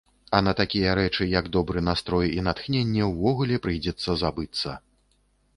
А на такія рэчы, як добры настрой і натхненне, увогуле прыйдзецца забыцца.